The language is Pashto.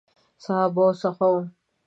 صحابه وو څخه وو.